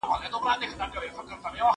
زه اوس انځور ګورم!!